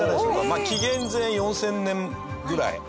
まあ、紀元前４０００年ぐらい。